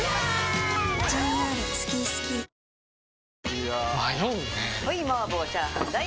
いや迷うねはい！